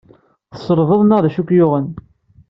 Tselbed neɣ d acu ay k-yuɣen?